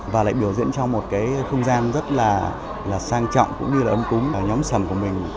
và lại biểu diễn trong một cái không gian rất là sang trọng cũng như là ấm cúng ở nhóm sầm của mình